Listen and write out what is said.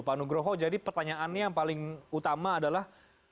pak nugroho jadi pertanyaannya yang paling utama adalah